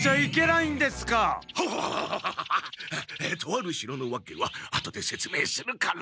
とある城のわけは後でせつめいするから。